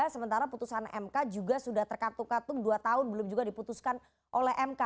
sementara putusan mk juga sudah terkatu katu dua tahun belum juga diputuskan oleh mk